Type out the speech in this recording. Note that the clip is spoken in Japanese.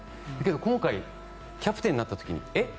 今回キャプテンになった時にえ？